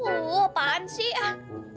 woh apaan sih